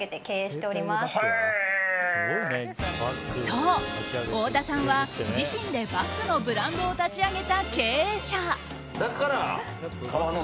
そう、太田さんは自身でバッグのブランドを立ち上げた経営者。